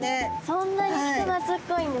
そんなに人懐っこいんですね。